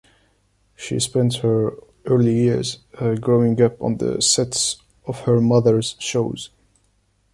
She spent her early years growing up on the sets of her mothers shows.